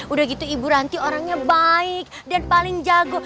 udah gitu ibu ranti orangnya baik dan paling jago